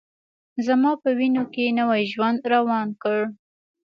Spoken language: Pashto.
زما په وینوکې نوی ژوند روان کړ